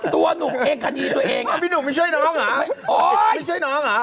ตัวหนุ่มเองคดีตัวเองมีหนุ่มมันช่วยหนองอ่ะ